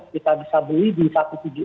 kita bisa beli di satu ratus tujuh puluh